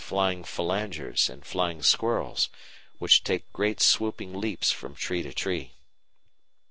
g. Flying Phalangers and Flying Squirrels, which take great swooping leaps from tree to tree.